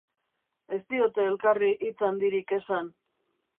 Ez diote elkarri hitz handirik esan.